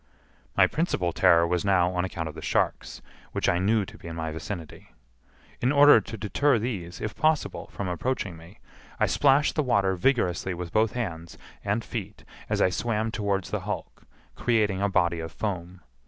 My principal terror was now on account of the sharks, which I knew to be in my vicinity. In order to deter these, if possible, from approaching me, I splashed the water vigorously with both hands and feet as I swam towards the hulk, creating a body of foam.